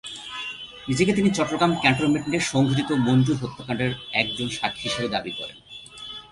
নিজেকে তিনি চট্টগ্রাম ক্যান্টনমেন্টে সংঘটিত মঞ্জুর হত্যাকাণ্ডের একজন সাক্ষী হিসেবে দাবি করেন।